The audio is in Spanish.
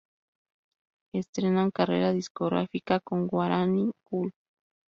Estrenan carrera discográfica con "Guaraní cool".